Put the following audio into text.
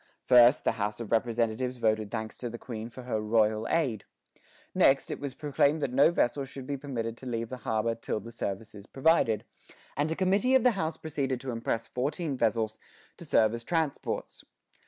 First, the House of Representatives voted thanks to the Queen for her "royal aid." Next, it was proclaimed that no vessel should be permitted to leave the harbor "till the service is provided;" and a committee of the House proceeded to impress fourteen vessels to serve as transports.